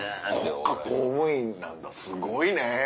国家公務員なんだすごいね。